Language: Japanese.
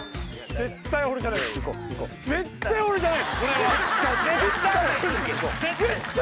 絶対俺じゃない！